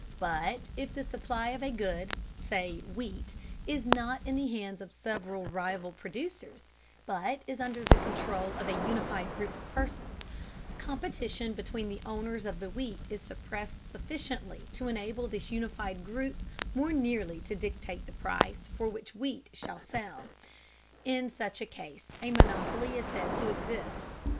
But if the supply of a good, say wheat, is not in the hands of several rival producers, but is under the control of a unified group of persons, competition between the owners of the wheat is suppressed sufficiently to enable this unified group more nearly to dictate the price for which wheat shall sell. In such a case a monopoly is said to exist.